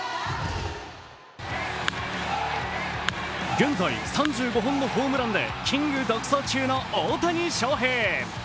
現在３５本のホームランでキング独走中の大谷翔平。